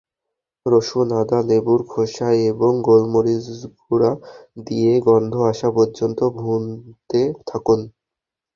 রসুন, আদা, লেবুর খোসা এবং মরিচগুঁড়া দিয়ে গন্ধ আসা পর্যন্ত ভুনতে থাকুন।